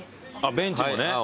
ベンチもね。